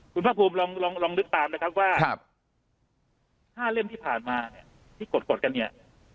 คุณพระคุณลองลองลองลึกตามนะครับว่าครับห้าเล่มที่ผ่านมาเนี่ยที่กดกดกันเนี่ย